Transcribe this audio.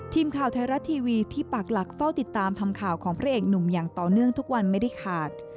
ทีมข่าวไทยรัฐทีวีที่ปากหลักเฝ้าติดตามทำข่าวของพระเอกหนุ่มอย่างต่อเนื่องทุกวันไม่ได้ขาด